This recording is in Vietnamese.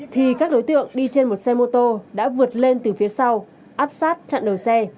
thì các đối tượng đi trên một xe mô tô đã vượt lên từ phía sau áp sát chặn đầu xe